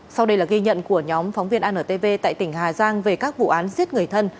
sau đây là ghi nhận của nhóm phóng viên antv tại tỉnh hà giang về các vụ án giết người thân